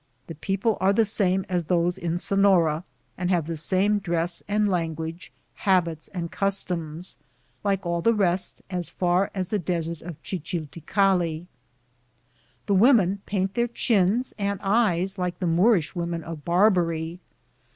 The people are the same as those in SeBora and have the same dress and language, habits, and customs, like all the rest aa far as the desert of Chichilticalli The women paint their chins and eyes like the Moorish womeu of Barbary.